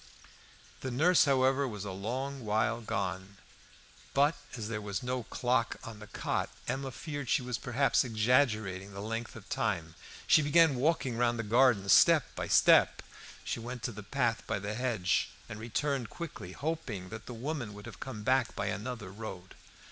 The nurse, however, was a long while gone. But, as there was no clock in the cot, Emma feared she was perhaps exaggerating the length of time. She began walking round the garden, step by step; she went into the path by the hedge, and returned quickly, hoping that the woman would have come back by another road.